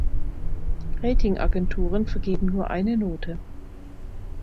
Ratingagenturen vergeben nur eine Note.